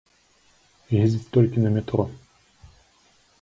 Ездзіць толькі на метро.